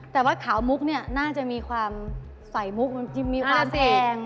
แต่ว่าขาวมุกเนี่ยน่าจะมีความใส่มุกมันจะมีความแรง